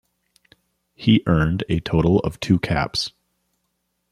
He earned a total of two caps.